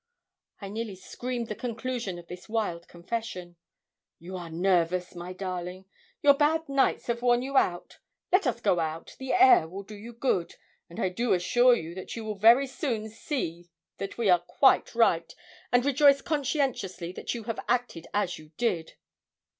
I nearly screamed the conclusion of this wild confession. 'You are nervous, my darling; your bad nights have worn you out. Let us go out; the air will do you good; and I do assure you that you will very soon see that we are quite right, and rejoice conscientiously that you have acted as you did.'